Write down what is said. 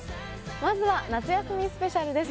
まずは夏休みスペシャルです